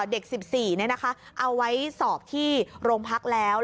เด็กสิบสี่นี่นะคะเอาไว้สอบที่โรงพักษณ์แล้ว